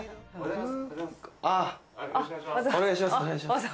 お願いします